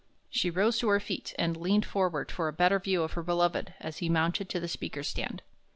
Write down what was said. She rose to her feet and leaned forward for a better view of her beloved as he mounted to the speaker's stand.